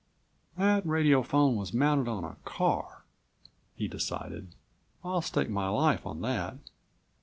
"That radiophone was mounted on a car," he decided; "I'll stake my life on that.